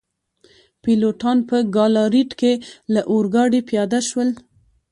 پیلوټان په ګالاریټ کي له اورګاډي پیاده شول.